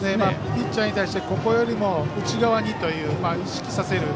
ピッチャーに対してここよりも内側にという意識をさせる。